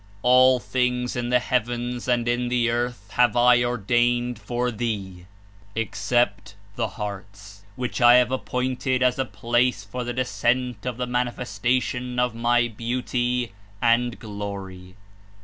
All things in the heavens and in the earth have I ordained for thee, except the hearts, which I have appointed as a place for the descent of the manifestation of my Beauty and Glory."